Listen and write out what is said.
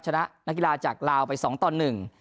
ชนะนักกีฬาจากลาวไปสองต่อหนึ่ง